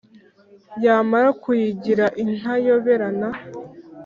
Yamara kuyigira intayoberana